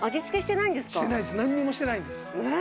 なんにもしてないんです。